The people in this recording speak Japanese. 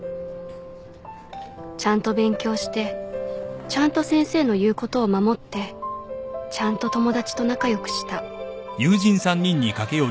ちゃんと勉強してちゃんと先生の言うことを守ってちゃんと友達と仲良くした